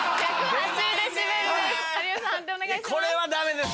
判定お願いします。